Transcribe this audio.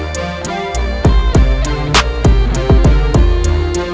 jangan sia siain elsa